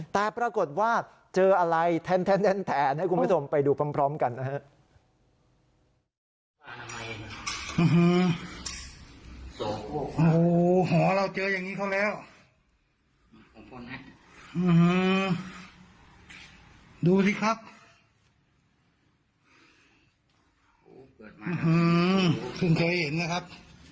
แต่ปรากฏว่าเจออะไรแทนให้คุณผู้ชมไปดูพร้อมกันนะฮะ